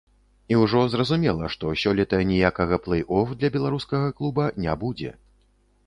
І ўжо зразумела, што сёлета ніякага плэй-оф для беларускага клуба не будзе.